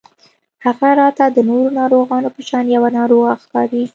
هغه راته د نورو ناروغانو په شان يوه ناروغه ښکاري